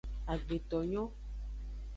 Agbetonyo.